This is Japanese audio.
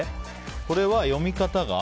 これは、読み方が。